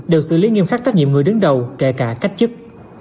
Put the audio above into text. đều xử lý nghiêm khắc trách nhiệm người đứng đầu kể cả cách chức